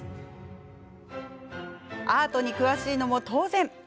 アートに詳しいのも当然！